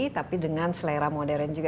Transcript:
tapi dengan selera modern juga